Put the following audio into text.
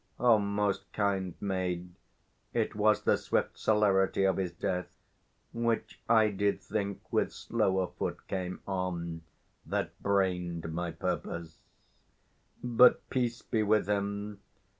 O most kind maid, It was the swift celerity of his death, Which I did think with slower foot came on, That brain'd my purpose. But, peace be with him!